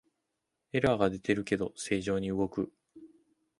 エラーが出てるけど正常に動く